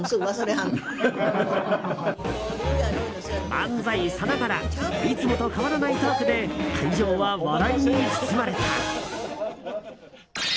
漫才さながらいつもと変わらないトークで会場は笑いに包まれた。